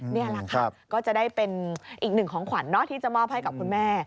นี่แหละครับก็จะได้เป็นอีกหนึ่งของขวัญที่จะมอบให้กับคุณแม่